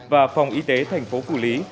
và phòng y tế tp phủ lý